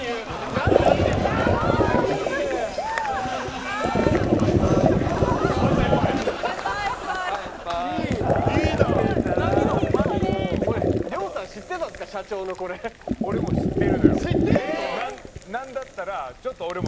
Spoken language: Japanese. なんだったらちょっと。